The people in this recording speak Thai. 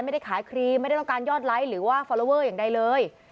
ไม่ได้ขายครีมไม่ได้ต้องการยอดไลค์หรือว่าฟอลลอเวอร์อย่างใดเลย